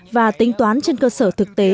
và tính toán trên cơ sở thực tế